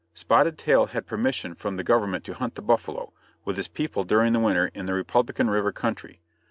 Spotted Tail had permission from the Government to hunt the buffalo, with his people during the winter, in the Republican river country.